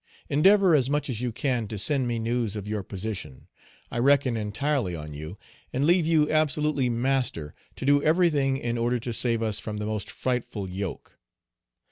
"Endeavor as much as you can to send me news of your position. I reckon entirely on you, and leave you absolutely master, to do everything in order to save us from the most frightful yoke.